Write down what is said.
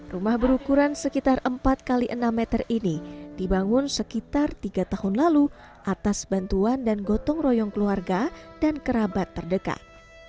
rumah berukuran sekitar empat x enam meter ini dibangun sekitar tiga tahun lalu atas bantuan dan gotong royong keluarga dan kerabat terdekat